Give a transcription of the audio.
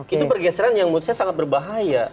itu pergeseran yang menurut saya sangat berbahaya